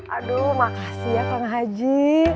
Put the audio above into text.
aduh makasih ya kang haji